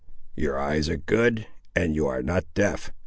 "Your eyes are good! and you are not deaf!"